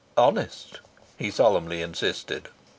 "Honest!" he solemnly insisted.